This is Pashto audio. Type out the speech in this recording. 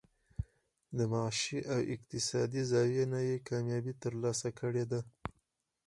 د معاشي او اقتصادي زاويې نه ئې کاميابي تر لاسه کړې ده